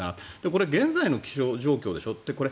これ、現在の気象状況でしょ。